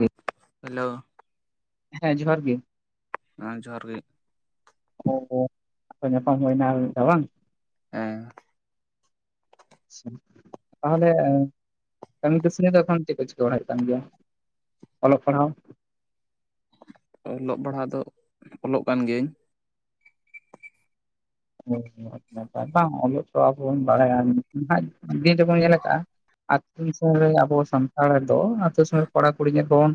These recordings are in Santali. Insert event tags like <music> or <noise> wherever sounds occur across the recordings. ᱦᱮᱸ ᱦᱮᱞᱳ ᱦᱮᱸ ᱡᱚᱦᱟᱨ ᱜᱮ ᱦᱮᱸ ᱡᱚᱦᱟᱨ ᱜᱮ ᱚ ᱧᱟᱯᱟᱢ ᱦᱩᱭᱱᱟ ᱵᱟᱝ ᱦᱮᱸ ᱟᱪᱷᱟ ᱛᱟᱦᱚᱞᱮ ᱠᱟᱹᱢᱤ ᱠᱟᱹᱥᱱᱤ ᱫᱚ ᱮᱠᱷᱚᱱ ᱪᱮᱫ ᱠᱚ ᱪᱤᱠᱟᱹ ᱵᱟᱲᱦᱟᱭᱮᱫ ᱠᱟᱱ ᱜᱮᱭᱟ ᱚᱞᱚᱜ ᱯᱟᱲᱦᱟᱣ <inaudible> ᱚᱞᱚᱜ ᱯᱟᱲᱦᱟᱜ ᱫᱚ ᱚᱞᱚᱜ ᱠᱟᱱ ᱜᱤᱭᱟᱹᱧ ᱚ ᱟᱪᱷᱟ ᱵᱟᱝ ᱚᱞᱚᱜ ᱯᱟᱲᱦᱟᱣᱟ ᱵᱚᱱ ᱵᱟᱲᱟᱭᱟ ᱢᱮᱱᱠᱷᱟᱱ ᱦᱟᱜ ᱫᱤᱱ ᱛᱮᱵᱚᱱ ᱧᱮᱞ ᱟᱠᱟᱟᱜᱼᱟ ᱟᱛᱳ ᱫᱤᱥᱚᱢ ᱨᱮ ᱟᱵᱚ ᱥᱟᱱᱛᱟᱲᱫᱚ ᱟᱹᱛᱩ ᱥᱩᱨ ᱠᱚᱲᱟᱼ ᱠᱩᱲᱤ ᱧᱮᱞ ᱠᱚᱢ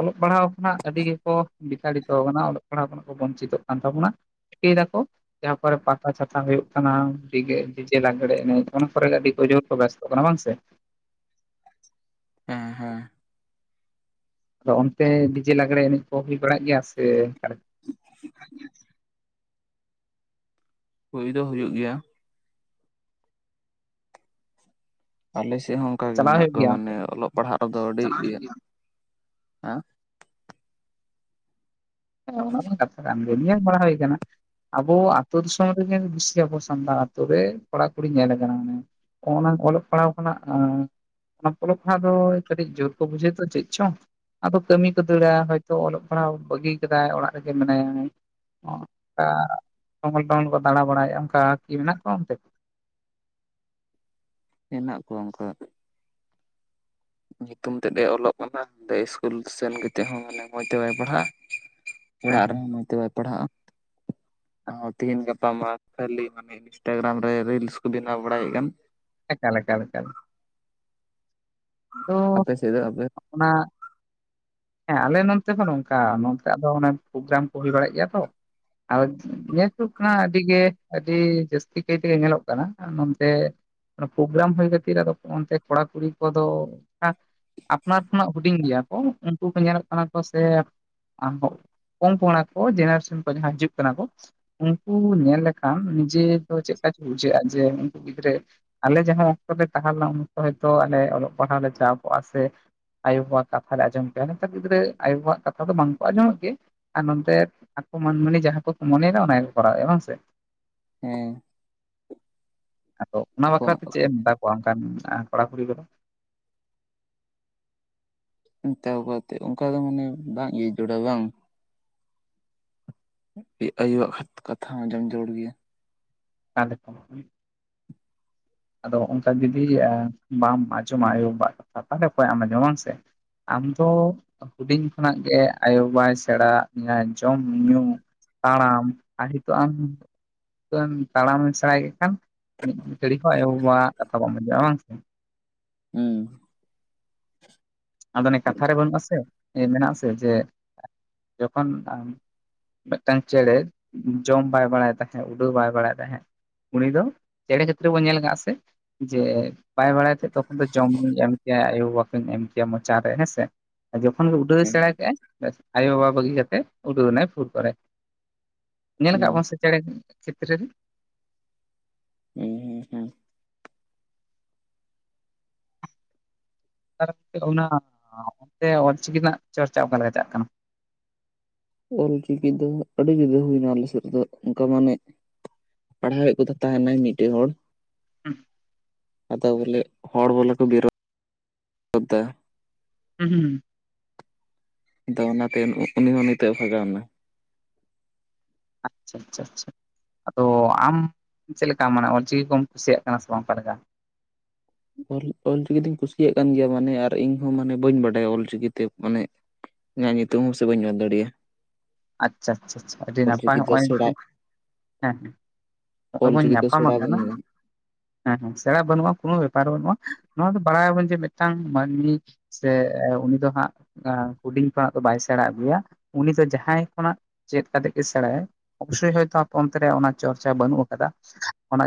ᱚᱞᱚᱜ ᱯᱟᱲᱦᱟᱣ ᱟᱠᱟᱱᱟ ᱟᱹᱰᱤ ᱜᱮᱠᱚ ᱵᱮᱠᱟᱨᱤᱛᱚ ᱠᱟᱱᱟ ᱚᱞᱚᱜ ᱯᱟᱲᱦᱟᱜ ᱠᱷᱚᱱᱟᱜ ᱠᱚ ᱵᱚᱧᱪᱤᱛᱚᱜ ᱠᱟᱱ ᱛᱟᱵᱚᱱᱟ ᱪᱤᱠᱟᱹᱭ ᱫᱟᱠᱚ ᱡᱟᱦᱟᱸ ᱠᱚᱨᱮ ᱯᱟᱛᱟ ᱪᱷᱟᱛᱟ ᱦᱩᱭᱩᱜ ᱠᱟᱱᱟ ᱰᱤᱡᱮ ᱰᱤᱡᱮ ᱞᱟᱜᱽᱲᱮ ᱮᱱᱮᱡ ᱚᱱᱟ ᱠᱚᱨᱮᱜ ᱜᱮ ᱟᱹᱰᱤ ᱡᱳᱨ ᱠᱚ ᱵᱮᱥᱛᱚᱜ ᱠᱟᱱᱟ ᱵᱟᱝ ᱥᱮ ᱦᱮᱸ ᱦᱮᱸ ᱟᱫᱚ ᱚᱱᱛᱮ ᱰᱤᱡᱮ ᱞᱟᱜᱽᱲᱮ ᱮᱱᱮᱡ ᱠᱚ ᱦᱩᱭ ᱵᱟᱲᱟᱜ ᱜᱮᱭᱟ ᱥᱮ <inaudible> ᱦᱩᱭ ᱫᱚ ᱦᱩᱭᱩᱜ ᱜᱮᱭᱟ ᱟᱞᱮ ᱥᱮᱫ ᱦᱚᱸ ᱚᱱᱠᱟᱟᱜᱮ ᱪᱟᱞᱟᱣ ᱢᱮᱱᱟᱜ ᱦᱩᱭᱩᱜ ᱠᱚᱣᱟ ᱜᱮᱭᱟ ᱚᱱᱛᱮ? ᱢᱟᱱᱮ ᱚᱞᱚᱜ ᱯᱟᱲᱦᱟᱜ ᱨᱮᱫᱚ ᱟᱹᱰᱤ <unintelligible> ᱦᱮᱸ ᱦᱮᱸ ᱚᱱᱟ ᱦᱚ ᱠᱟᱛᱷᱟ ᱠᱟᱱ ᱜᱮᱭᱟ ᱧᱮᱞᱵᱟᱲᱟ ᱦᱩᱭ ᱠᱟᱱᱟ ᱟᱵᱚ ᱟ ᱟᱛᱳ ᱫᱤᱥᱚᱢ ᱨᱮᱜᱮ ᱵᱮᱥᱤ ᱟᱵᱚ ᱥᱟᱱᱛᱟᱲ ᱟᱛᱳ ᱨᱮ ᱠᱚᱲᱟᱠᱩᱲᱤ ᱧᱮᱞ ᱠᱟᱱᱟ ᱚᱱᱟ ᱚᱞᱚᱜ ᱯᱟᱲᱦᱟᱣ ᱠᱷᱚᱱᱟᱜ ᱮ ᱚᱱᱟ ᱯᱞᱚ ᱠᱷᱚᱱᱟᱜ ᱫᱚ ᱠᱟᱹᱴᱤᱡ ᱡᱳᱨ ᱠᱚ ᱵᱩᱡᱷᱟᱹᱣ ᱛᱚ ᱪᱮᱫ ᱪᱚᱝ ᱟᱫᱚ ᱠᱟᱹᱢᱤ ᱠᱚ ᱫᱟᱹᱲᱟ ᱦᱚᱭᱛᱳ ᱚᱞᱚᱜ ᱯᱟᱲᱦᱟᱣ ᱵᱟᱹᱜᱤ ᱠᱟᱫᱟᱭ ᱚᱲᱟᱜ ᱨᱮᱜᱮ ᱢᱮᱱᱟᱭᱟ ᱚᱱᱠᱟ ᱴᱚᱜᱚᱞ ᱴᱚᱜᱚᱞ ᱠᱚ ᱫᱟᱬᱟ ᱵᱟᱲᱟᱭᱮᱫᱼᱟ ᱚᱱᱠᱟ ᱠᱤ ᱢᱮᱱᱟᱜ ᱠᱚᱣᱟ ᱚᱱᱛᱮ <inaudible> ᱦᱮᱱᱟᱜ ᱠᱚᱣᱟ ᱚᱱᱠᱟ ᱧᱩᱛᱩᱢ ᱛᱮᱫ ᱮ ᱚᱞᱚᱜ ᱠᱟᱱᱟ ᱚ ᱥᱠᱩᱞ ᱥᱮᱱ ᱠᱟᱛᱮᱫ ᱦᱚᱸ ᱢᱟᱱᱮ ᱢᱚᱡᱽ ᱛᱮ ᱵᱟᱭ ᱯᱟᱲᱦᱟᱜᱼᱟ ᱦᱮᱸ ᱚᱲᱟᱜ ᱦᱮᱸ ᱨᱮᱦᱚᱸ ᱢᱚᱸᱡᱽ ᱛᱮ ᱵᱟᱭ ᱯᱟᱲᱦᱟᱜᱼᱟ <inaudible> ᱛᱤᱦᱤᱧ ᱜᱟᱯᱟ ᱢᱟ ᱠᱷᱟᱹᱞᱤ ᱢᱟᱱᱮ ᱤᱱᱥᱴᱟᱜᱨᱟᱢ ᱨᱮ ᱨᱤᱞᱥ ᱠᱚ ᱵᱮᱱᱟᱣ ᱵᱟᱲᱟᱭᱮᱫ ᱠᱟᱱ ᱮᱠᱟᱞ ᱮᱠᱟᱞ ᱮᱠᱟᱞ ᱛᱚ ᱟᱯᱮ ᱥᱮᱫᱚᱜ ᱟᱯᱮ ᱚᱱᱟ ᱦᱮᱸ ᱟᱞᱮ ᱱᱚᱱᱛᱮ ᱦᱚᱸ ᱱᱚᱝᱠᱟ ᱱᱚᱝᱠᱟ ᱫᱚ ᱚᱱᱮ ᱯᱨᱳᱜᱨᱟᱢ ᱠᱚ ᱦᱩᱭ ᱵᱟᱲᱟᱜ ᱜᱮᱭᱟ ᱛᱚ ᱟᱨ ᱧᱮᱞ ᱠᱟᱱᱟ ᱟᱹᱰᱤᱜᱮ ᱟᱹᱰᱤ ᱡᱟᱹᱥᱛᱤ ᱠᱟᱭ ᱛᱮᱜᱮ ᱧᱮᱞᱚᱜ ᱠᱟᱱᱟ ᱱᱚᱱᱛᱮ ᱯᱨᱳᱜᱨᱟᱢ ᱦᱩᱭ ᱠᱷᱟᱹᱛᱤᱨ ᱟᱫᱚ ᱚᱱᱛᱮ ᱠᱚᱲᱟ ᱠᱩᱲᱤ ᱠᱚᱫᱚ ᱟᱯᱱᱟᱨ ᱠᱷᱚᱱᱟᱜ ᱦᱩᱰᱤᱧ ᱜᱮᱭᱟ ᱠᱚ ᱩᱱᱠᱩ ᱠᱚ ᱧᱮᱞᱮᱫ ᱠᱟᱱᱟ ᱠᱚ ᱥᱮ ᱟᱱ ᱠᱚᱢ ᱠᱚᱸᱲᱟ ᱠᱚ ᱡᱮᱱᱟᱨᱮᱥᱮᱱ ᱠᱚ ᱡᱟᱦᱟᱸ ᱦᱤᱡᱩᱜ ᱠᱟᱱᱟ ᱠᱚ ᱩᱱᱠᱩ ᱧᱮᱞ ᱞᱮᱠᱷᱟᱱ ᱱᱤᱡᱮ ᱫᱚ ᱪᱮᱫᱟᱠ ᱵᱩᱡᱷᱟᱹᱜᱼᱟ ᱡᱮ ᱩᱱᱠᱩ ᱜᱤᱫᱽᱨᱟᱹ ᱟᱞᱮ ᱡᱟᱦᱟᱸ ᱚᱠᱛᱚ ᱞᱮ ᱛᱟᱦᱮᱸ ᱞᱮᱱᱟ ᱩᱱᱠᱛᱚ ᱦᱚᱭᱛᱚ ᱟᱞᱮ ᱚᱞᱚᱜ ᱯᱟᱲᱦᱟᱣ ᱞᱮ ᱪᱟᱞᱟᱜ ᱟᱵᱚᱣᱟᱜ ᱥᱮ ᱟᱭᱳ-ᱵᱟᱵᱟᱜ ᱠᱟᱛᱷᱟ ᱞᱮ ᱟᱡᱚᱢ ᱡᱟᱦᱟᱸ ᱱᱮᱛᱟᱨ ᱜᱤᱫᱽᱨᱟᱹ ᱟᱭᱳ-ᱵᱟᱵᱟᱜ ᱠᱟᱛᱷᱟ ᱫᱚ ᱵᱟᱝᱠᱚ ᱟᱸᱡᱚᱢ ᱜᱮ ᱟᱨ ᱱᱚᱱᱛᱮ ᱟᱠᱚ ᱢᱟᱹᱱᱢᱟᱹᱱᱤ ᱡᱟᱦᱟᱸ ᱠᱚᱠᱚ ᱢᱚᱱᱮ ᱚᱱᱟ ᱠᱚᱨᱟᱣᱮᱟ ᱵᱟᱝ ᱥᱮ? ᱦᱮᱸ᱾ ᱟᱫᱚ ᱚᱱᱟ ᱵᱟᱠᱷᱨᱟᱛᱮ ᱪᱮᱫ ᱮᱢ ᱢᱮᱛᱟ ᱠᱚᱣᱟ ᱚᱱᱠᱟᱱ ᱢᱮᱱᱟᱜᱼᱟ? ᱠᱚᱟᱲ ᱠᱩᱲᱤ ᱠᱚᱫᱚ ᱢᱮᱛᱟ ᱠᱚᱛᱮᱫ ᱚᱱᱠᱟ ᱫᱚ ᱢᱟᱱᱮ ᱵᱟᱝ ᱡᱚᱲᱽᱟᱣ ᱵᱟᱝ᱾ ᱟᱭᱳᱣᱟᱜ ᱠᱟᱛᱷᱟ ᱦᱚᱸ ᱟᱸᱡᱚᱢ ᱡᱟᱹᱨᱩᱲ ᱜᱮᱭᱟ᱾ <unintelligible> ᱟᱫᱚ ᱚᱱᱠᱟ ᱡᱩᱫᱤ ᱵᱟᱢ ᱟᱸᱡᱚᱢᱟ ᱟᱣᱳ-ᱵᱟᱵᱟᱼᱜ ᱠᱟᱛᱷᱟ ᱛᱟᱦᱚᱞᱮ ᱚᱠᱣᱟ ᱮᱢ ᱟᱸᱡᱚᱢᱟ ᱵᱟᱝ ᱥᱮ? ᱟᱢᱫᱚ ᱦᱩᱰᱤᱧ ᱠᱷᱚᱱᱟᱜ ᱜᱮ ᱟᱭᱳᱼ ᱵᱟᱵᱟᱭ ᱥᱮᱬᱟᱼᱜ ᱢᱮᱭᱟᱭ ᱪᱚᱝ ᱧᱩᱧᱩ? ᱛᱟᱲᱟᱢ ᱟᱨ ᱱᱤᱛᱚᱜ ᱟᱢ ᱛᱟᱲᱟᱢᱮᱢ ᱥᱮᱬᱟ ᱠᱮᱫ ᱠᱷᱟᱱ <unintelligible> <unintelligible> ᱟᱫᱚ ᱚᱱᱮ ᱠᱟᱛᱷᱟ ᱨᱮ ᱵᱟᱹᱱᱩᱜ ᱟᱥᱮ ᱢᱮᱱᱟᱜ ᱟᱥᱮ ᱡᱮ ᱡᱚᱠᱷᱚᱱ ᱢᱤᱫᱴᱟ. ᱝ ᱪᱮᱸᱬᱮ ᱡᱚᱢ ᱵᱟᱭ ᱵᱟᱲᱟᱭ ᱛᱟᱦᱮᱸᱫ ᱩᱰᱟᱹᱣ ᱵᱟᱭ ᱵᱟᱲᱟᱭ ᱛᱟᱦᱮᱸᱫ᱾ ᱩᱱᱤ ᱫᱚ ᱪᱮᱸᱬᱮ ᱡᱟ. ᱛ ᱛᱮᱵᱚᱱ ᱧᱮᱞ ᱟᱠᱟᱜᱼᱟ ᱥᱮ ᱡᱮ ᱵᱟᱭ ᱵᱟᱲᱟᱭ ᱛᱮ ᱛᱚᱠᱷᱚᱱ ᱫᱚ ᱡᱚᱢ ᱧᱩ ᱭᱮᱟᱢ ᱟᱭᱳ- ᱵᱟᱵᱟ ᱠᱤᱱ ᱮᱢ ᱠᱮᱭᱟ ᱢᱚᱪᱟ ᱨᱮ ᱦᱮᱸ ᱥᱮ ᱟᱨ ᱡᱚᱠᱷᱚᱱ ᱜᱮ ᱩᱰᱟᱹᱣ ᱮ ᱦᱮᱸ ᱥᱮᱬᱟ ᱠᱮᱟᱜ-ᱟ ᱵᱮᱥ ᱟᱭᱳ ᱵᱟᱵᱟ ᱵᱟᱹᱜᱤ ᱠᱟᱛᱮ ᱩᱰᱟᱹᱣ ᱮᱱᱟᱭ ᱯᱷᱩᱨ ᱠᱚ ᱨᱮ᱾ ᱧᱮᱞ ᱦᱩᱸ ᱟᱠᱟᱫ ᱠᱚᱣᱟᱜ ᱥᱮ ᱪᱮᱸᱬᱮ ᱠᱚ ᱪᱤᱛᱨᱟ. ᱨᱮ? <unintelligible> <unintelligible> ᱚᱞ ᱪᱤᱠᱤ ᱫᱚ ᱟᱹᱰᱤ ᱡᱩᱫᱟᱹ ᱦᱩᱭ ᱮᱱᱟ ᱟᱞᱮ ᱥᱮᱫ ᱫᱚ᱾ ᱚᱱᱠᱟ ᱢᱟᱱᱮ ᱯᱟᱲᱦᱟᱣᱮᱫ ᱠᱚ ᱛᱟᱦᱮᱸ ᱱᱟᱭ ᱢᱤᱫᱴᱟ. ᱝ ᱦᱚᱲ᱾ <unintelligible> ᱟᱫᱚ ᱵᱚᱞᱮ ᱦᱚᱲ ᱵᱚᱞᱮ ᱠᱚ ᱵᱤᱨᱚᱫ ᱮᱫᱟ᱾ <unintelligible> ᱟᱫᱚ ᱚᱱᱟᱛᱮ ᱩᱱᱤ ᱦᱚᱸ ᱱᱤᱛᱮ ᱵᱷᱟᱜᱟᱣ ᱮᱱᱟ᱾ ᱟᱪᱪᱷᱟ ᱟᱪᱪᱷᱟ ᱟᱪᱪᱷᱟᱻ ᱟᱫᱚ ᱟᱢ ᱪᱮᱫ ᱞᱮᱠᱟ ᱢᱟᱱᱮ ᱚᱞ ᱪᱤᱠᱤ ᱠᱚᱢ ᱠᱩᱥᱤᱭᱟᱜ ᱠᱟᱱᱟ ᱥᱮ ᱵᱟᱝ ᱚᱠᱟ ᱞᱮᱠᱟ? ᱚᱞ ᱚᱞ ᱪᱤᱠᱤ ᱫᱩᱧ ᱠᱩᱥᱤᱭᱟᱜ ᱠᱟᱱ ᱜᱮᱭᱟ ᱢᱟᱱᱮ ᱟᱨ ᱤᱧ ᱦᱚᱸ ᱢᱟᱱᱮ ᱵᱟᱹᱧ ᱵᱟᱰᱟᱭᱟ ᱚᱞ ᱪᱤᱠᱤ ᱛᱮ ᱢᱟᱱᱮ ᱤᱧᱟᱹᱜ ᱧᱩᱛᱩᱢ ᱦᱚᱸ ᱥᱮ ᱵᱟᱹᱧ ᱚᱞ ᱫᱟᱲᱮᱭᱟᱜᱼᱟ᱾ ᱟᱪᱪᱷᱟ ᱟᱪᱪᱷᱟ ᱟᱪᱷᱟ ᱟᱹᱰᱤ ᱱᱟᱯᱟᱭ ᱚᱞᱪᱤᱠᱤ ᱫᱚ ᱱᱚᱜᱚᱭ ᱥᱮᱬᱟ ᱵᱤᱱ ᱦᱮᱸ ᱱᱚᱜᱼᱚᱭ ᱵᱚᱱ ᱚᱞᱪᱤᱠᱤ ᱫᱚ ᱧᱟᱯᱟᱢ ᱥᱮᱬᱟ ᱟᱠᱟᱱᱟ᱾ ᱵᱟᱹᱱᱩᱜᱼᱟ ᱦᱮᱸ ᱦᱮᱸ ᱥᱮᱬᱟ ᱵᱟᱹᱱᱩᱜᱼᱟ ᱠᱚᱱᱚ ᱵᱮᱯᱟᱨ ᱵᱟᱹᱱᱩᱜᱼᱟ᱾ ᱱᱚᱣᱟ ᱫᱚ ᱵᱟᱲᱟᱭ ᱟᱵᱚᱱ ᱡᱮ ᱢᱤᱫᱴᱟᱝ ᱢᱟᱹᱱᱢᱤ ᱥᱮ ᱩᱱᱤ ᱫᱚ ᱦᱟᱸᱜ ᱦᱩᱰᱤᱧ ᱠᱷᱚᱱᱟᱜ ᱫᱚ ᱵᱟᱭ ᱥᱮᱬᱟ ᱟᱹᱜᱩᱭᱟ᱾ ᱩᱱᱤ ᱫᱚ ᱡᱟᱦᱟᱸᱭ ᱠᱷᱚᱱᱟᱜ ᱪᱮᱫ ᱠᱟᱛᱮ ᱜᱮ ᱥᱮᱬᱟᱭᱟᱭ᱾ ᱚᱵᱚᱥᱚᱭ ᱦᱚᱭ ᱛᱚ ᱟᱯᱮ ᱚᱱᱛᱮ ᱨᱮ ᱚᱱᱟ ᱪᱚᱨᱪᱟ ᱵᱟᱹᱱᱩᱜ ᱟᱠᱟᱫᱟ᱾ ᱚᱱᱟ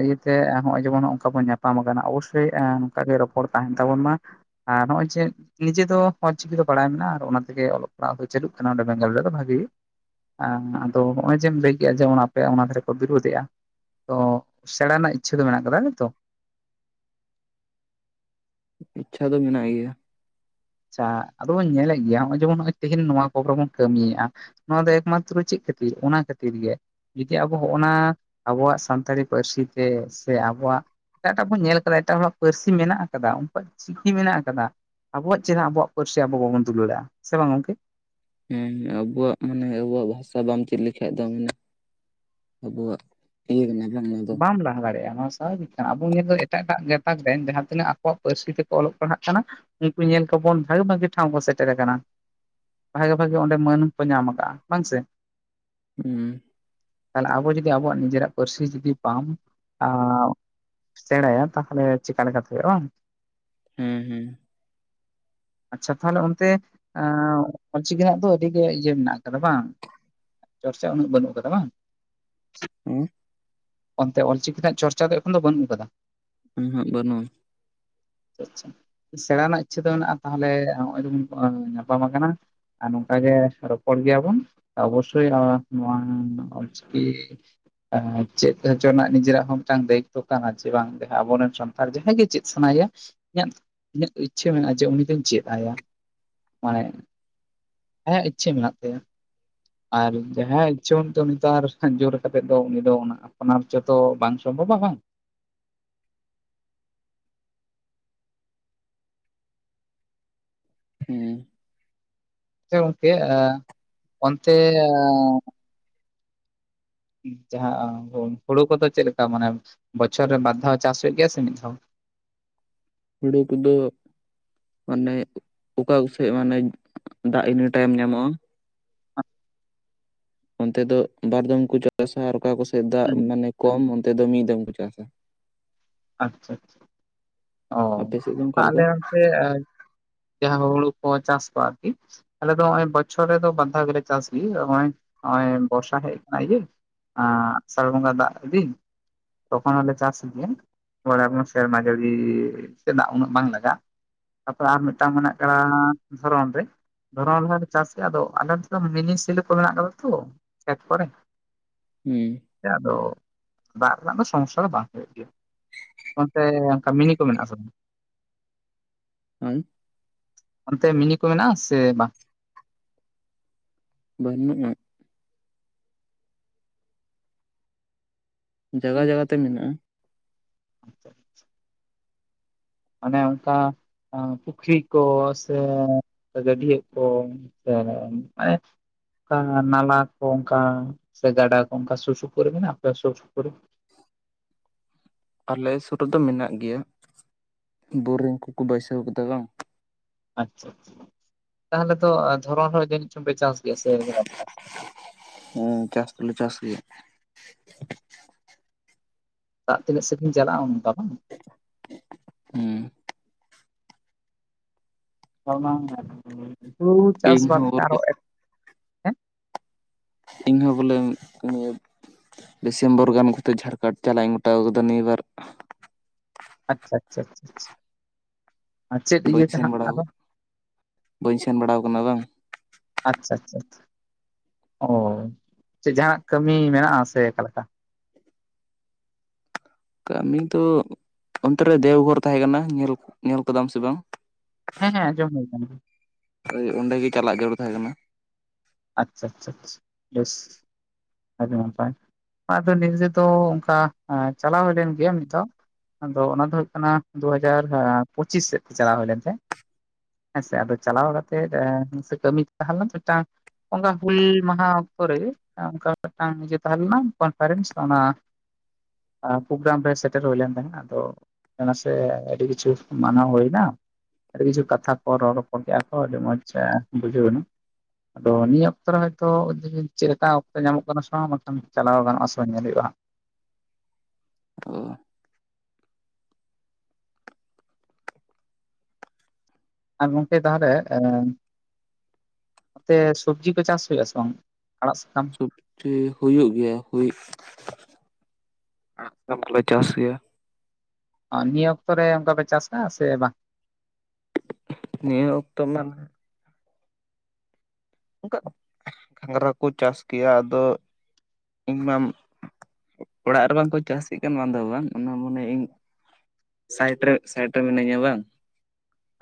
<unintelligible> <unintelligible> ᱟᱫᱚ ᱦᱚᱜᱼᱚᱭ ᱡᱮᱢ ᱞᱟᱹᱭ ᱠᱮᱜᱼᱟ ᱡᱮᱢᱚᱱ ᱯᱮ ᱚᱱᱟ ᱫᱷᱟᱨᱮ ᱠᱚ ᱵᱤᱨᱩᱫ ᱚᱪᱚᱮᱟ ᱛᱚ ᱥᱮᱬᱟ ᱨᱮᱱᱟᱜ ᱤᱪᱪᱷᱟᱹ ᱫᱚ ᱢᱮᱱᱟᱜ ᱟᱠᱟᱫᱟ ᱱᱤᱛᱚᱜ? <inaudible> ᱤᱪᱪᱷᱟ ᱫᱚ ᱢᱮᱱᱟᱜ ᱜᱮᱭᱟ᱾ ᱟᱪᱪᱷᱟ ᱾ᱟᱫᱚ ᱵᱚᱱ ᱧᱮᱞᱮᱜ ᱜᱮᱭᱟ ᱱᱚᱜᱼᱚᱭ ᱡᱮᱢᱚᱱ ᱛᱮᱦᱮᱱ ᱱᱚᱣᱟ ᱠᱚ ᱨᱮ ᱵᱚᱱ ᱠᱟᱹᱢᱤᱭᱮᱜᱼᱟ ᱱᱚᱣᱟ ᱫᱚ ᱮᱠᱢᱟᱛᱨᱚ ᱪᱮᱫ ᱠᱷᱟᱹᱛᱤᱨ ᱚᱱᱟ ᱠᱷᱟᱹᱛᱤᱨ ᱜᱮ ᱡᱩᱫᱤ ᱟᱵᱚ ᱚᱱᱟ ᱟᱵᱚᱣᱟᱜ ᱥᱟᱱᱛᱟᱲᱤ ᱯᱟᱹᱨᱥᱤ ᱛᱮ ᱥᱮ ᱟᱵᱚᱣᱟᱜ ᱮᱴᱟᱜ-ᱮᱴᱟᱜ ᱵᱚᱱ ᱧᱮᱞ ᱟᱠᱟᱫᱟ ᱮᱴᱟᱜ ᱦᱚᱲᱟᱜ ᱯᱟᱹᱨᱥᱤ ᱢᱮᱱᱟᱜ ᱟᱠᱟᱫᱟ᱾ ᱩᱱᱠᱩᱣᱟᱜ ᱪᱤᱠᱤ ᱢᱮᱱᱟᱜ ᱟᱠᱟᱫᱟ᱾ ᱟᱵᱚᱣᱟᱜ ᱪᱮᱫᱟᱜ ᱟᱵᱚᱣᱟᱜ ᱯᱟᱹᱨᱥᱤ ᱟᱵᱚ ᱵᱟᱵᱚᱱ ᱫᱩᱞᱟᱹᱲᱟᱜᱼᱟ ᱥᱮ ᱵᱟᱝ ᱜᱚᱝᱠᱮ? ᱟᱵᱚᱣᱟᱜ ᱢᱟᱱᱮ ᱟᱵᱚᱣᱟᱜ ᱵᱷᱟᱥᱟ ᱵᱟᱢ ᱪᱮᱫ ᱞᱮᱠᱷᱟᱜ ᱫᱚ <unintelligible> ᱟᱵᱚᱣᱟᱜ <unintelligible> ᱵᱟᱢ ᱞᱟᱦᱟ ᱫᱟᱲᱮᱭᱟᱜᱼᱟ ᱱᱚᱣᱟ ᱥᱟᱵᱷᱟᱵᱤᱠ ᱠᱟᱱᱟ ᱟᱵᱚ ᱱᱤᱛ ᱫᱚ ᱮᱴᱟᱜ ᱮᱴᱟᱜ <unintelligible> ᱜᱟᱛᱟᱠ ᱨᱮᱱ ᱡᱟᱦᱟᱸ ᱛᱤᱱᱟᱹᱜ ᱟᱠᱚᱣᱟᱜ ᱯᱟᱹᱨᱥᱤ ᱛᱮᱠᱚ ᱚᱞᱚᱜ ᱯᱟᱲᱦᱟᱜ ᱠᱟᱱᱟ ᱩᱱᱠᱩ ᱧᱮᱞ ᱠᱚ ᱵᱚᱱ ᱵᱷᱟᱜᱮ ᱵᱷᱟᱜᱮ ᱴᱷᱟᱶ ᱠᱚ ᱥᱮᱴᱮᱨ ᱟᱠᱟᱱᱟ ᱵᱷᱟᱜᱮ ᱵᱷᱟᱜᱮ ᱚᱸᱰᱮ ᱢᱟᱹᱱ ᱠᱚ ᱧᱟᱢ ᱠᱟᱜᱼᱟ ᱵᱟᱝ ᱥᱮ <unintelligible> ᱛᱟᱦᱚᱸ ᱞᱮ ᱟᱵᱚ ᱡᱩᱫᱤ ᱟᱵᱚᱣᱟᱜ ᱱᱤᱡᱮᱨᱟᱜ ᱯᱟᱹᱨᱥᱤ ᱡᱩᱫᱤ ᱵᱟᱢ ᱥᱮᱬᱟᱭᱟ ᱛᱟᱦᱚᱸ ᱞᱮ ᱪᱮᱠᱟ ᱞᱮᱠᱟᱛᱮ ᱦᱳᱭᱳᱜᱼᱟ ᱵᱟᱝ ᱦᱩᱸ ᱦᱩᱸ <inaudible> ᱟᱪᱪᱷᱟ ᱛᱟᱦᱚᱸ ᱞᱮ ᱚᱱᱛᱮ ᱚᱞ ᱪᱤᱠᱤ ᱱᱟᱜ ᱫᱚ ᱟᱹᱰᱤᱜᱮ ᱤᱭᱟᱹ ᱢᱮᱱᱟᱜ ᱟᱠᱟᱫᱟ ᱵᱟᱝ ᱪᱚᱨᱪᱟ ᱩᱱᱟᱹᱜ ᱵᱟᱹᱱᱩᱜ ᱟᱠᱟᱫᱟ ᱵᱟᱝ <unintelligible> ᱚᱱᱛᱮ ᱚᱞ ᱪᱤᱠᱤ ᱱᱟᱜ ᱪᱚᱨᱪᱟ ᱫᱚ ᱮᱠᱷᱚᱱ ᱫᱚ ᱵᱟᱹᱱᱩᱜ ᱟᱠᱟᱫᱟ ᱩᱸ ᱦᱩᱸᱜ ᱵᱟᱹᱱᱩᱜᱼᱟ ᱟᱪᱪᱷᱟ ᱟᱪᱪᱷᱟ ᱥᱮᱬᱟ ᱨᱮᱱᱟᱜ ᱤᱪᱪᱷᱟᱹ ᱫᱚ ᱢᱮᱱᱟᱜᱼᱟ ᱛᱟᱦᱚᱞᱮ ᱱᱚᱜᱼᱚᱭᱵᱚᱱ ᱧᱟᱯᱟᱢ ᱟᱠᱟᱱᱟ ᱟᱨ ᱱᱚᱝᱠᱟᱟᱜᱮ ᱨᱚᱯᱚᱲ ᱜᱮᱭᱟᱵᱚᱱ ᱚᱵᱚᱥᱥᱳᱭ ᱱᱚᱣᱟ ᱚᱞᱪᱤᱠᱤ <unintelligible> ᱦ ᱪᱮᱫ ᱦᱚᱪᱚ ᱨᱮᱱᱟᱜ ᱱᱤᱡᱮᱨᱟᱜ ᱦᱚᱸ ᱢᱤᱫᱴᱟᱝ ᱫᱟᱭᱤᱛᱛᱚ ᱠᱟᱱᱟ ᱡᱮ ᱵᱟᱝ ᱟᱵᱚᱨᱮᱱ ᱥᱟᱱᱛᱟᱲ ᱡᱟᱦᱟᱸᱭ ᱜᱮ ᱪᱮᱫ ᱥᱟᱱᱟᱭᱮᱭᱟ ᱤᱧᱟᱹᱜ ᱤᱧᱟᱹᱜ ᱤᱪᱪᱷᱟᱹ ᱢᱮᱱᱟᱜᱼᱟ ᱡᱮ ᱩᱱᱤ ᱫᱚᱧ ᱪᱮᱫ ᱟᱭᱟ ᱢᱟᱱᱮ ᱟᱭᱟᱜ ᱤᱪᱪᱷᱟᱹ ᱢᱮᱱᱟᱜ ᱛᱟᱭᱟ ᱟᱨ ᱡᱟᱦᱟᱸᱭ ᱟᱜ ᱤᱪᱷᱟ ᱵᱟᱱᱩᱜ-ᱟ ᱛᱟᱭᱟ ᱟᱨ ᱡᱳᱨ ᱠᱟᱛᱮ ᱫᱚ ᱩᱱᱤ ᱫᱚ ᱚᱱᱟ ᱚᱱᱟᱨ ᱪᱚᱛᱚ ᱵᱟᱝ ᱥᱚᱢᱵᱷᱚᱵ ᱵᱟᱝ ᱦᱮᱸ ᱜᱚᱢᱠᱮ ᱚᱱᱛᱮ ᱡᱟᱦᱟᱸ ᱦᱩᱲᱩ ᱠᱚᱫᱚ ᱪᱮᱫᱞᱠᱟ ᱢᱟᱱᱮ ᱵᱚᱪᱷᱚᱨ ᱨᱮ ᱵᱟᱨ ᱫᱷᱟᱣ ᱪᱟᱥ ᱦᱩᱭᱩᱜ ᱜᱮᱭᱟ ᱥᱮ ᱢᱤᱫ ᱫᱷᱟᱣ <inaudible> ᱦᱩᱲᱩ ᱠᱚᱫᱚ ᱢᱟᱱᱮ ᱚᱠᱟ ᱥᱮᱫ ᱢᱟᱱᱮ ᱫᱟᱜ ᱤᱱᱟᱹ ᱴᱟᱭᱤᱢ ᱧᱟᱢᱚᱜᱼᱟ ᱚᱱᱛᱮ ᱫᱚ ᱵᱟᱨᱫᱢ ᱠᱚ ᱪᱟᱥᱟ ᱟᱨ ᱚᱠᱟ ᱠᱚᱥᱮᱫ ᱫᱟᱜ ᱦᱩᱸ ᱢᱟᱱᱮ ᱠᱚᱢ ᱛᱮ ᱫᱚ ᱢᱤᱫ ᱫᱚᱢ ᱠᱚ ᱪᱟᱥᱟ ᱟᱪᱪᱷᱟ ᱟᱪᱪᱷᱟ ᱚ ᱟᱯᱮ ᱥᱮᱫ ᱫᱚ ᱚᱠᱟ ᱞᱮᱠᱟ ᱟᱞᱮ ᱚᱱᱛᱮ ᱡᱟᱦᱟᱸ ᱦᱚᱲᱩ ᱪᱟᱥ ᱠᱚᱣᱟ ᱟᱨᱠᱤ ᱟᱞᱮᱚ ᱱᱚᱜ ᱵᱚᱪᱷᱚᱨ ᱨᱮᱫᱚ ᱵᱟᱫᱷᱟᱣ ᱜᱮᱞᱮ ᱪᱟᱥ ᱜᱮ ᱱᱚᱦᱚᱭ ᱵᱚᱨᱥᱟ ᱦᱮᱡ ᱟᱠᱟᱱᱟ ᱤᱭᱟᱹ ᱟᱥᱟᱲ ᱵᱚᱸᱜᱟ ᱫᱟᱜ ᱤᱫᱤᱱ ᱛᱚᱠᱷᱚᱱ ᱦᱚᱞᱮ ᱪᱟᱥ ᱜᱮᱭᱟ ᱥᱮᱨᱢᱟ ᱡᱟᱹᱲᱤ ᱪᱟᱜ ᱩᱱᱟᱹᱜ ᱵᱟᱝ ᱞᱟᱜᱟᱜᱼᱟ ᱛᱟᱯᱚᱨᱮ ᱟᱨ ᱢᱤᱫᱴᱟᱝ ᱢᱮᱱᱟᱜ ᱠᱟᱫᱟ ᱫᱷᱚᱨᱚᱱ ᱨᱮ ᱫᱷᱚᱨᱚᱱ ᱨᱮᱦᱚᱸ ᱞᱮ ᱪᱟᱥᱼᱟ ᱟᱫᱚ ᱟᱞᱮᱚ ᱢᱤᱱᱤ ᱥᱤᱞᱤᱯ ᱠᱚ ᱢᱮᱱᱟᱜ ᱠᱟᱫᱟ ᱛᱚ ᱠᱷᱮᱛ ᱠᱚᱨᱮ ᱦᱩᱸ ᱦᱮᱸ ᱟᱫᱚ ᱫᱟᱜ ᱨᱮᱱᱟᱜ ᱫᱚ ᱥᱚᱢᱚᱥᱥᱟ ᱫᱚ ᱵᱟᱝ ᱦᱩᱭᱩᱜ ᱜᱮᱭᱟ ᱚᱱᱛᱮ ᱚᱱᱠᱟ ᱢᱤᱱᱤ ᱠᱚ ᱢᱮᱱᱟᱜ ᱟᱥᱮ ᱵᱟᱝ ᱦᱮᱸ ᱚᱱᱛᱮ ᱢᱤᱱᱤ ᱠᱚ ᱢᱮᱱᱟᱜᱼᱟ ᱥᱮ ᱵᱟᱝ ᱵᱟᱹᱱᱩᱜᱼᱟ ᱡᱟᱭᱜᱟ ᱡᱟᱭᱜᱟᱛᱮ ᱢᱮᱱᱟᱜᱼᱟ ᱟᱪᱪᱷᱟ ᱪᱷᱟ ᱚᱱᱮ ᱚᱱᱠᱟ ᱯᱩᱠᱷᱨᱤ ᱠᱚ ᱥᱮ ᱜᱟᱹᱰᱤᱭᱟᱜ ᱠᱚ ᱢᱟᱱᱮ ᱠᱟ ᱱᱟᱞᱟ ᱠᱚ ᱚᱱᱠᱟ ᱥᱮ ᱜᱟᱰᱟ ᱠᱚ ᱚᱱᱠᱟ ᱥᱩᱨ ᱥᱩᱯᱩᱨ ᱢᱮᱱᱟᱜᱼᱟ ᱟᱯᱮ ᱥᱩᱨ ᱥᱩᱯᱩᱨ ᱨᱮ <inaudible> ᱟᱞᱮ ᱥᱩᱨ ᱨᱮᱫᱚ ᱢᱮᱱᱟᱜ ᱜᱮᱭᱟ ᱵᱳᱨᱤᱜ ᱠᱚᱠᱚ ᱵᱟᱹᱭᱥᱟᱹᱣ ᱠᱟᱫᱟ ᱵᱟᱝ ᱟᱪᱪᱷᱟ ᱟᱪᱪᱷᱟ ᱛᱟᱦᱚᱞᱮ ᱛᱚ ᱫᱷᱚᱨᱚᱱ ᱦᱚᱸ ᱡᱟᱹᱱᱤᱡ ᱪᱚᱝ ᱯᱮ ᱪᱟᱥ ᱜᱮᱭᱟ ᱥᱮ ᱦᱩᱸ ᱪᱟᱥ ᱛᱚᱞᱮ ᱪᱟᱥ ᱜᱮᱭᱟ ᱫᱟᱜ ᱛᱤᱱᱟᱹᱜ ᱥᱟᱜᱤᱧ ᱪᱟᱞᱟᱜᱼᱟ ᱚᱱᱠᱟ ᱵᱟᱝ ᱦᱩᱸ <unintelligible> ᱦᱩᱲᱩ ᱤᱧ ᱪᱟᱥᱵᱟᱫ ᱦᱚᱸ ᱛᱮ ᱟᱨᱚ ᱵᱚᱞᱮ ᱮᱴᱠᱮ ᱤᱧᱦᱚᱸ ᱵᱚᱞᱮ ᱤᱭᱟᱹ ᱰᱤᱥᱮᱢᱵᱚᱨ ᱜᱟᱱ ᱠᱟᱛᱮᱫ ᱡᱷᱟᱲᱠᱷᱚᱸᱰ ᱪᱟᱞᱟᱜ ᱤᱧ ᱜᱚᱴᱟᱣ ᱠᱟᱫᱟ ᱱᱤᱭᱟᱹ ᱵᱟᱨ ᱟᱪᱪᱷᱟ ᱟᱪᱪᱷᱟ ᱟᱪᱷᱟᱷᱟ ᱟᱨ ᱪᱮᱫ ᱵᱟᱹᱧ ᱤᱭᱟᱹᱛᱮ ᱥᱮᱱ ᱦᱟᱸᱜ ᱵᱟᱲᱟ ᱟᱫᱚ ᱵᱟᱹᱧ ᱥᱮᱱ ᱵᱟᱲᱟᱣ ᱠᱟᱱᱟ ᱵᱟᱝ ᱟᱪᱪᱷᱟ ᱟᱪᱪᱷᱟ ᱚ ᱪᱮᱫ ᱡᱟᱦᱟᱱᱟᱜ ᱠᱟᱹᱢᱤ ᱢᱮᱱᱟᱜᱼᱟ ᱥᱮ ᱟᱠᱟ ᱞᱮᱠᱟ ᱠᱟᱹᱢᱤ ᱫᱚ ᱚᱱᱛᱮ ᱨᱮ ᱫᱮᱣᱜᱷᱚᱨ ᱛᱟᱦᱮᱸ ᱠᱟᱱᱟ ᱧᱮᱞ ᱧᱮᱞ ᱠᱟᱫᱟᱢ ᱥᱮ ᱵᱟᱝ ᱦᱮᱸ ᱦᱮᱸ ᱟᱸᱡᱚᱢ ᱦᱩᱭ ᱟᱠᱟᱱᱟ ᱦᱳᱭ ᱚᱸᱰᱮᱜᱮ ᱪᱟᱞᱟᱜ ᱡᱟᱹᱨᱩᱲ ᱛᱟᱦᱮᱸ ᱠᱟᱱᱟ ᱟᱪᱪᱷᱟ ᱟᱪᱪᱷᱟᱷᱟ ᱵᱮᱥ ᱟᱹᱰᱤ ᱱᱟᱯᱟᱭ ᱟᱫᱚ ᱱᱮᱚ ᱚᱱᱠᱟ ᱪᱟᱞᱟᱣ ᱦᱩᱭ ᱞᱮᱱ ᱜᱮᱭᱟ ᱢᱤᱫ ᱫᱷᱟᱣ ᱟᱫᱚ ᱚᱱᱟ ᱫᱚ ᱦᱩᱭᱩᱜ ᱠᱟᱱᱟ ᱫᱩ ᱦᱟᱡᱟᱨ ᱯᱚᱸᱪᱤᱥ ᱥᱮᱫ ᱛᱮ ᱪᱟᱞᱟᱣ ᱦᱩᱭ ᱞᱮᱱ ᱛᱟᱦᱮᱸ ᱦᱮᱸᱥᱮ ᱟᱫᱚ ᱪᱟᱞᱟᱣ ᱠᱟᱛᱮᱫ ᱠᱟᱹᱢᱤ ᱛᱟᱦᱮᱞᱮᱱᱟ ᱢᱤᱫᱴᱟᱝ ᱚᱱᱠᱟ ᱦᱩᱞ ᱢᱟᱦᱟ ᱚᱠᱛᱚᱨ ᱨᱮ ᱚᱱᱠᱟ ᱢᱤᱫᱴᱟᱱ ᱤᱭᱟᱹ ᱛᱟᱦᱮᱸ ᱞᱮᱱᱟ ᱠᱚᱱᱯᱷᱟᱨᱮᱱᱥ ᱚᱱᱟ ᱯᱨᱳᱜᱨᱟᱢ ᱨᱮ ᱥᱮᱴᱮᱨ ᱦᱩᱭ ᱞᱮᱱ ᱛᱟᱦᱮᱸᱱᱟ ᱟᱫᱚ ᱚᱱᱟ ᱥᱮ ᱟᱹᱰᱤ ᱠᱤᱪᱷᱩ ᱢᱟᱱᱟᱣ ᱦᱩᱭᱱᱟ ᱟᱹᱰᱤ ᱠᱤᱪᱷᱩ ᱠᱟᱛᱷᱟ ᱠᱚ ᱨᱚᱲ ᱨᱚᱯᱚᱲ ᱜᱮᱭᱟ ᱠᱚ ᱟᱹᱰᱤ ᱢᱚᱸᱡᱽ ᱵᱩᱡᱷᱟᱹᱣ ᱮᱱᱟ ᱟᱫᱚ ᱱᱤᱭᱟᱹ ᱚᱠᱛᱚ ᱨᱮ ᱦᱚᱭᱛᱳ ᱪᱮᱫ ᱞᱮᱠᱟ ᱚᱠᱚᱛ ᱧᱟᱢᱚᱜ ᱠᱟᱱᱟ ᱥᱮ ᱵᱟᱝ ᱵᱟᱝᱠᱷᱟᱱ ᱪᱟᱞᱟᱜ ᱦᱳᱭᱳᱜᱟ <inaudible> ᱟᱫᱚ ᱟᱨ ᱜᱚᱢᱠᱮ ᱛᱟᱦᱚᱞᱮ ᱱᱚᱛᱮ ᱥᱚᱵᱡᱤ ᱠᱚ ᱪᱟᱥ ᱦᱩᱭᱩᱜ ᱟ ᱥᱮ ᱵᱟᱝ ᱟᱲᱟᱜ ᱥᱟᱠᱟᱢ ᱥᱚᱵᱡᱤ ᱦᱩᱭᱩᱜ ᱜᱮᱭᱟ ᱦᱩᱭ ᱥᱟᱢ ᱠᱚᱞᱮ ᱪᱟᱥ ᱜᱮᱭᱟ ᱱᱤᱭᱟᱹ ᱚᱠᱛᱚ ᱨᱮ ᱚᱱᱠᱟ ᱯᱮ ᱪᱟᱥᱟ ᱥᱮ ᱵᱟᱝ ᱱᱤᱭᱟᱹ ᱚᱠᱛᱚ ᱢᱟᱱᱮ ᱚᱱᱠᱟ ᱜᱷᱟᱸᱜᱨᱟ ᱠᱚ ᱪᱟᱥ ᱜᱮᱭᱟ ᱟᱫᱚ ᱤᱧ ᱢᱟ ᱚᱲᱟᱜ ᱨᱮ ᱵᱟᱝᱠᱚ ᱪᱥᱤᱜ ᱠᱟᱱ ᱵᱟᱝ ᱫᱚ ᱵᱟᱝ ᱚᱱᱟ ᱢᱚᱱᱮ ᱤᱧ ᱥᱟᱤᱴ ᱨᱮ ᱥᱟᱭᱤᱴ ᱨᱮ ᱢᱤᱱᱟᱹᱧᱟ ᱵᱟᱝ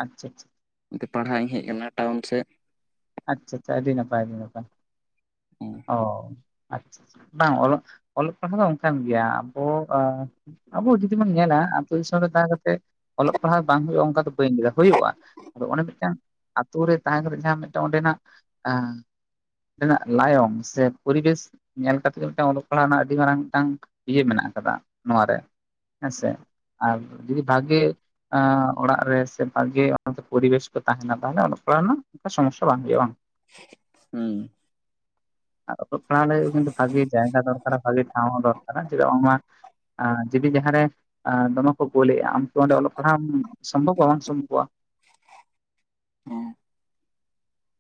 ᱟᱪᱪᱷᱟ ᱟᱪᱪᱷᱟ ᱮᱛᱮ ᱯᱟᱲᱦᱟᱜ ᱤᱧ ᱦᱮᱡ ᱟᱠᱟᱱᱟ ᱴᱟᱣᱩᱱ ᱥᱮᱫ ᱟᱪᱪᱷᱟ ᱟᱪᱪᱷᱟ ᱟᱹᱰᱤ ᱱᱟᱯᱟᱭ ᱟᱹᱰᱤ ᱱᱟᱯᱟᱭ ᱚ ᱟᱪᱪᱷᱟ ᱵᱟᱝ ᱚᱞᱚᱜ ᱚᱞᱚᱜ ᱯᱟᱲᱦᱟᱣ ᱫᱚ ᱚᱱᱠᱟᱱ ᱜᱮᱭᱟ ᱟᱵᱚ ᱟᱵᱚ ᱡᱩᱫᱤ ᱵᱚᱱ ᱧᱮᱞᱟ ᱟᱹᱛᱩᱳ ᱫᱤᱥᱚᱢ ᱨᱮ ᱫᱛᱮᱫ ᱚᱞᱚᱜ ᱯᱟᱲᱦᱟᱜ ᱵᱟᱝ ᱦᱩᱭᱩᱜᱼᱟ ᱚᱱᱠᱟ ᱫᱚ ᱵᱟᱹᱧ ᱧᱟ ᱦᱩᱭᱩᱜᱼᱟ ᱟᱫᱚ ᱚᱱᱰᱮ ᱢᱤᱫᱴᱟᱝ ᱟᱛᱳ ᱨᱮ ᱛᱟᱦᱮᱸ ᱠᱟᱛᱮ ᱡᱟᱦᱟᱸ ᱢᱤᱫᱴᱟᱝ ᱚᱸᱰᱮᱱᱟᱜ ᱚᱸᱰᱮᱱᱟᱜ ᱞᱟᱭᱚᱝ ᱥᱮ ᱯᱚᱨᱤᱵᱮᱥ ᱧᱮᱞ ᱠᱟᱛᱮᱜ ᱜᱮ ᱢᱤᱫᱴᱟᱝ ᱚᱞᱚᱜ ᱯᱟᱲᱦᱟᱜ ᱨᱮᱱᱟᱜ ᱟᱹᱰᱤ ᱢᱟᱨᱟᱝ ᱢᱤᱫᱴᱟᱝ ᱤᱭᱟᱹ ᱢᱮᱱᱟᱜ ᱟᱠᱟᱫᱟ ᱱᱚᱟᱨ ᱨᱮ ᱦᱮᱸ ᱥᱮ ᱟᱨ ᱡᱩᱫᱤ ᱵᱷᱟᱜᱮ ᱚᱲᱟᱜ ᱨᱮ ᱥᱮ ᱵᱷᱟᱜᱮ ᱚᱱᱟ ᱯᱚᱨᱤᱵᱮᱥ ᱠᱚ ᱛᱟᱦᱮᱱᱟ ᱛᱟᱦᱚᱞᱮ ᱠᱚᱞᱟ ᱨᱮᱱᱟᱜ ᱚᱱᱠᱟ ᱥᱚᱢᱚᱥᱥᱟ ᱵᱟᱝ ᱦᱩᱭᱩᱜᱼᱟ ᱵᱟᱝ ᱦᱮᱸ ᱚᱞᱚᱜ ᱯᱟᱲᱦᱟᱜ ᱞᱟᱹᱜᱤᱫ ᱠᱤᱱᱛᱩ ᱵᱷᱟᱜᱤ ᱡᱟᱭᱜᱟ ᱫᱚᱨᱠᱟᱨᱟ ᱵᱷᱟᱜᱮ ᱴᱷᱟᱶ ᱦᱚᱸ ᱫᱚᱨᱠᱟᱨᱟ ᱪᱮᱫᱟᱜ ᱵᱟᱝ ᱟ ᱡᱩᱫᱤ ᱡᱟᱦᱟᱸᱨᱮ ᱫᱚᱢᱮ ᱠᱚ ᱠᱳᱩᱞᱞᱮᱫᱼᱟ ᱟᱢ ᱚᱸᱰᱮ ᱚᱞᱚᱜ ᱯᱟᱲᱦᱟᱜ ᱥᱚᱢᱵᱷᱚᱵ ᱵᱟ ᱵᱟᱝ ᱥᱚᱢᱵᱷᱚᱵᱚᱜᱼᱟ ᱦᱮᱸ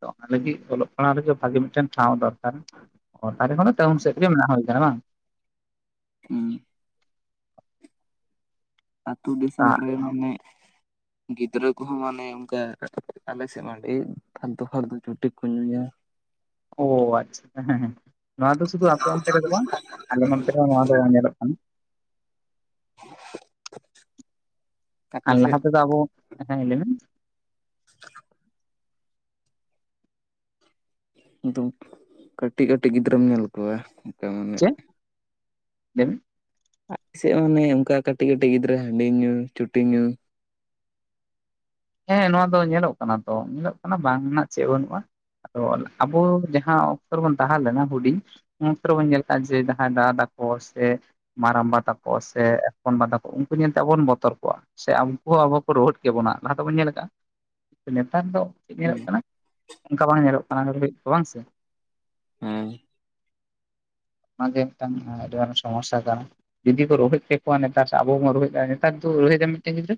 ᱚᱱᱟ ᱞᱟᱹᱜᱤᱫ ᱚᱞᱚᱜ ᱯᱟᱲᱦᱟᱣ ᱨᱮᱜᱮ ᱵᱷᱟᱜᱮ ᱢᱤᱫᱴᱮᱱ ᱴᱷᱟᱶ ᱫᱚᱨᱠᱟᱨ ᱵᱟᱦᱮᱚᱱᱚᱟᱹᱦ ᱴᱟᱣᱩᱱ ᱥᱮᱫ ᱜᱮ ᱦᱩᱭ ᱟᱠᱟᱱᱟ ᱵᱟᱝ ᱦᱮᱸ ᱟ. ᱛᱩ ᱫᱤᱥᱚᱢ ᱨᱮ ᱢᱟᱱᱮ <inaudible> ᱜᱤᱫᱽᱨᱟᱹ ᱠᱚᱦᱚᱸ ᱢᱟᱱᱮ ᱚᱱᱠᱟ ᱟᱞᱮ ᱥᱮᱫ ᱢᱟ ᱟᱹᱰᱤ ᱯᱟᱞᱛᱩ ᱯᱟᱞᱚᱩ ᱪᱚᱴᱷᱤ ᱠᱚ ᱧᱩᱭᱟ ᱚ ᱟᱪᱪᱷᱟ ᱦᱮᱸ ᱦᱮᱸ ᱱᱚᱣᱟ ᱫᱚ ᱥᱩᱫᱷᱩ ᱟᱯᱮ ᱚᱱᱛᱮ ᱨᱮᱫᱚ ᱵᱟᱝ ᱟᱞᱮ ᱱᱚᱱᱛᱮ ᱨᱮ ᱦᱚ ᱱᱚᱣᱟ ᱫᱚ ᱧᱮᱞᱚᱜ ᱠᱟᱱᱟ ᱟᱯᱮ ᱟᱨ ᱥᱮᱫ ᱞᱟᱦᱟ ᱛᱮᱫᱚ ᱟᱵᱚ ᱦᱮᱸ ᱞᱟᱹᱭ ᱵᱮᱱ <inaudible> ᱟᱫ ᱠᱟᱹᱴᱤᱡ ᱠᱟᱹᱴᱤᱡ ᱜᱤᱫᱽᱨᱟᱹᱢ ᱧᱮᱞ ᱠᱚᱣᱟ ᱢᱟᱱᱮ ᱪᱮᱫ ᱞᱮᱵᱤᱱ ᱟᱞᱮ ᱥᱮᱫ ᱦᱚᱸ ᱢᱟᱱᱮ ᱚᱱᱠᱟ ᱠᱟᱹᱴᱤᱡ ᱠᱟᱹᱴᱤᱡ ᱜᱤᱫᱽᱨᱟᱹ ᱦᱟᱺᱰᱤ ᱧᱩ ᱪᱩᱴᱤ ᱧᱩ ᱦᱮᱸ ᱱᱚᱣᱟ ᱫᱚ ᱧᱮᱞᱚᱜ ᱠᱟᱱᱟ ᱛᱚ ᱧᱮᱞᱚᱜ ᱠᱟᱱᱟ ᱵᱟᱝ ᱨᱮᱱᱟᱜ ᱪᱮᱫ ᱵᱟᱹᱱᱩᱜᱼᱟ ᱟᱫᱚ ᱟᱵᱚ ᱡᱟᱦᱟᱸ ᱚᱠᱛᱚ ᱨᱮᱵᱚᱱ ᱛᱟᱦᱮᱸ ᱞᱮᱱᱟ ᱦᱩᱰᱤᱧ ᱩᱱ ᱚᱠᱛᱚ ᱨᱮᱵᱚᱱ ᱧᱮᱞ ᱠᱟᱜᱼᱟ ᱡᱮ ᱡᱟᱦᱟᱸᱭ ᱫᱟᱠᱟ ᱥᱮ ᱢᱟᱨᱟᱢᱵᱟ ᱛᱟᱠᱚ ᱥᱮ ᱮᱯᱚᱱ ᱵᱟ ᱛᱠᱚ ᱩᱱᱠᱩ ᱧᱮᱞᱛᱮ ᱟᱵᱚ ᱵᱚᱱ ᱵᱚᱛᱚᱨ ᱠᱚᱜᱣᱟ ᱥᱮ ᱟᱵᱚ ᱟᱵᱚ ᱟᱵᱚ ᱠᱚ ᱨᱩᱚᱦᱮᱫ ᱠᱮᱫᱵᱚᱱᱟ ᱞᱟᱦᱟ ᱛᱮᱵᱚᱱ ᱧᱮᱞ ᱟᱠᱟᱼᱟ ᱱᱮᱛᱟᱨ ᱫᱚ ᱪᱮᱫ ᱦᱮᱸ ᱧᱮᱞᱚᱜ ᱠᱟᱱᱟ ᱚᱱᱠᱟ ᱵᱟᱝ ᱧᱮᱞᱚᱜ ᱠᱟᱱᱟ ᱞᱟᱹᱜᱤᱫ ᱫᱚ ᱵᱟᱝ ᱥᱮ ᱦᱮᱸ <inaudible> ᱚᱱᱟᱜᱮ ᱢᱤᱫᱴᱟᱱ ᱟᱹᱰᱤ ᱜᱟᱱ ᱥᱚᱢᱚᱥᱟ ᱠᱟᱱᱟ ᱡᱩᱫᱤ ᱠᱚ ᱨᱳᱚᱦᱮᱫ ᱠᱮᱠᱚᱣᱟ ᱱᱮᱛᱟᱨ ᱥᱮ ᱟᱵᱚ ᱵᱚᱱ ᱨᱚᱦᱮᱫ ᱱᱮᱛᱟᱨ ᱨᱳᱦᱮᱫᱟ ᱢᱤᱫᱴᱮᱱ ᱜᱤᱫᱽᱨᱟᱹ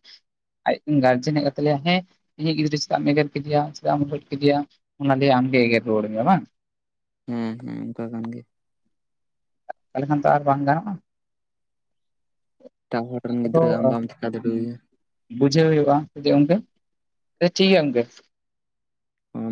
ᱟᱡ ᱨᱮᱱ ᱜᱟᱡᱮᱱ ᱛᱤᱱᱟᱹᱜ ᱠᱟᱛᱮ ᱞᱟᱭᱼᱟ ᱦᱮᱸ ᱤᱧᱤᱡ ᱜᱤᱫᱽᱨᱟᱹ ᱪᱮᱫᱟᱜ ᱮᱢ ᱮᱜᱮᱨ ᱠᱮᱫᱮᱭᱟ ᱪᱮᱫᱟᱜ ᱮᱢ ᱨᱫ ᱠᱮᱫᱮᱭᱟ ᱚᱱᱟᱞ ᱟᱢᱜᱮ ᱮᱜᱮᱨ ᱨᱩᱣᱟᱹᱲ ᱢᱮᱭᱟ ᱵᱟᱝ <inaudible> ᱦᱮᱸ ᱦᱮᱸ ᱚᱱᱠᱟ ᱠᱟᱱ ᱜᱮᱭᱟ ᱛᱟᱦᱚᱞᱮ ᱠᱷᱟᱱ ᱫᱚ ᱟᱨ ᱵᱟᱝ ᱜᱟᱱᱚᱜᱼᱟ ᱮᱴᱟᱜ ᱦᱚᱲ ᱚᱱᱟ ᱨᱮᱱ ᱠᱚᱫᱚ ᱜᱤᱫᱽᱨᱟᱹ ᱟᱢ ᱵᱟᱢ ᱪᱮᱠᱟ ᱫᱟᱲᱮᱣᱟᱭᱟ ᱵᱩᱡᱷᱟᱹᱣ ᱦᱩᱭᱩᱜᱼᱟ <unintelligible> ᱜᱚᱝᱠᱮ ᱟ ᱴᱷᱤᱠ ᱜᱮᱭᱟ ᱜᱚᱝᱠᱮ ᱟᱢ